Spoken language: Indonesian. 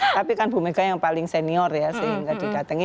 tapi kan bumega yang paling senior ya sehingga didatangi